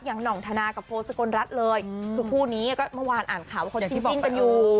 อย่างหน่องธนากับโพสต์สกลรัฐเลยคือคู่นี้ก็เมื่อวานอ่านข่าวว่าคนจริงจริงกันอยู่